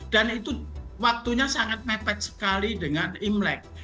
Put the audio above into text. dan itu waktunya sangat mepet sekali dengan imlek